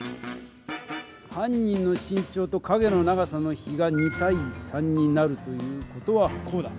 犯人の身長と影の長さの比が２対３になるという事はこうだ！